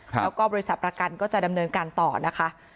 แล้วก็บริษัทประกันก็จะดำเนินการต่อนะคะ